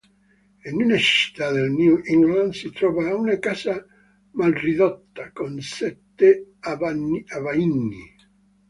In una città del New England si trova una casa malridotta con sette abbaini.